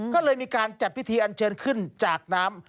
ก็เลยมีการจัดพิธีอันเชิญขึ้นจากน้ำ